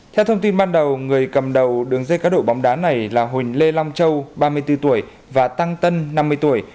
theo thông tin ban đầu người cầm đầu đường dây cá độ bóng đá này là huỳnh lê long châu ba mươi bốn tuổi và tăng tân năm mươi tuổi